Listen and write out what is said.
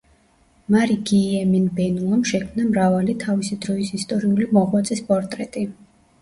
მარი-გიიემინ ბენუამ შექმნა მრავალი თავისი დროის ისტორიული მოღვაწის პორტრეტი.